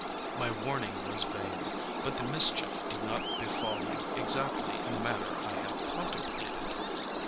My warning was vain; but the mischief did not befall him exactly in the manner I had contemplated.